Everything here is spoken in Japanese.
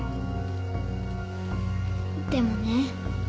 でもね